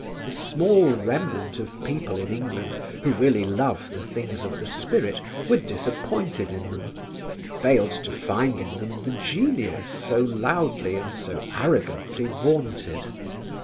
The small remnant of people in England who really love the things of the spirit were disappointed in them, failed to find in them the genius so loudly and so arrogantly vaunted.